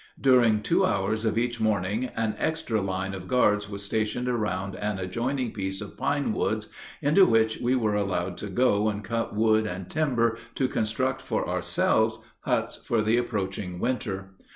During two hours of each morning an extra line of guards was stationed around an adjoining piece of pine woods, into which we were allowed to go and cut wood and timber to construct for ourselves huts for the approaching winter.